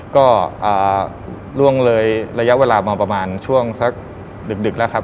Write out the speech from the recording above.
ก็ล่วงเลยระยะเวลามาประมาณช่วงสักดึกแล้วครับ